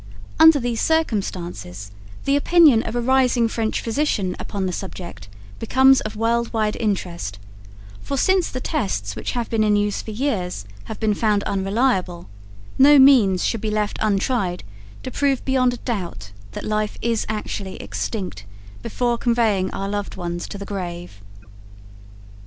Under these circumstances the opinion of a rising French physician upon the subject becomes of world wide interest, for since the tests which have been in use for years have been found unreliable no means should be left untried to prove beyond a doubt that life is actually extinct before conveying our loved ones to the grave.